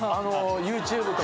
ＹｏｕＴｕｂｅとか？